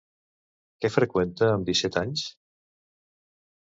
Què freqüenta amb disset anys?